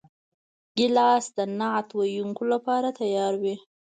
ګیلاس د نعت ویونکو لپاره تیار وي.